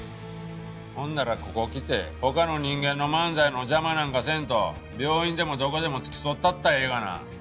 ほんならここ来て他の人間の漫才の邪魔なんかせんと病院でもどこでも付き添ったったらええがな。